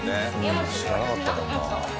知らなかったもんな。